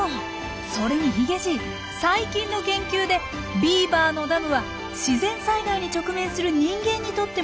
それにヒゲじい最近の研究でビーバーのダムは自然災害に直面する人間にとっても見過ごせない効果があることが